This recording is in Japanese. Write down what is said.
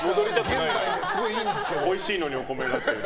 おいしいのに、お米が。